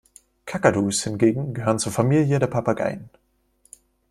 Kakadus hingegen gehören zur Familie der Papageien.